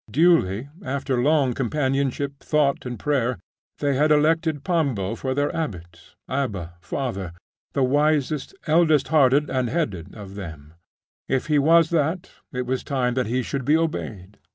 Duly, after long companionship, thought, and prayer, they had elected Pambo for their abbot Abba father the wisest, eldest hearted and headed of them if he was that, it was time that he should be obeyed.